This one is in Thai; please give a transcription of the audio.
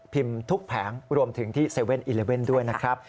ทุกแผงรวมถึงที่๗๑๑ด้วยนะครับ